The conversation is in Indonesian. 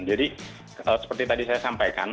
jadi seperti tadi saya sampaikan